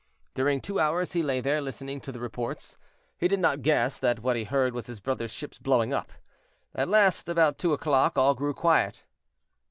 During two hours he lay there, listening to the reports. He did not guess that what he heard was his brother's ships blowing up. At last, about two o'clock, all grew quiet.